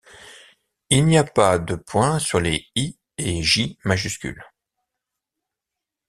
Il n'y a pas de point sur les I et J majuscules.